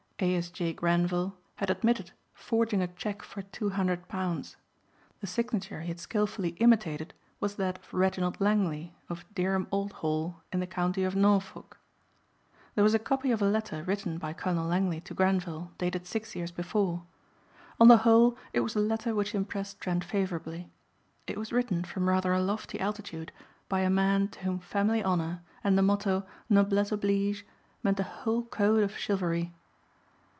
A. S. J. Grenvil had admitted forging a check for two hundred pounds. The signature he had skilfully imitated was that of Reginald Langley of Dereham Old Hall in the county of Norfolk. There was a copy of a letter written by Colonel Langley to Grenvil dated six years before. On the whole it was a letter which impressed Trent favorably. It was written from rather a lofty altitude by a man to whom family honor and the motto noblesse oblige meant a whole code of chivalry.